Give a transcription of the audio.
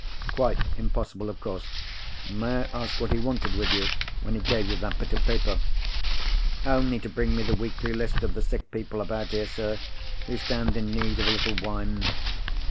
"Quite impossible, of course! May I ask what he wanted with you, when he gave you that bit of paper?" "Only to bring me the weekly list of the sick people about here, sir, who stand in need of a little wine.